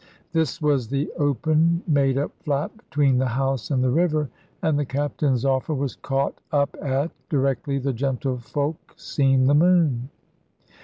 This was the open made up flat between the house and the river, and the Captain's offer was caught up at, directly the gentlefolk seen the moon.